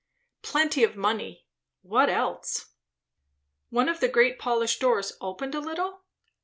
Plenty of money! What else? One of the great polished doors opened a little?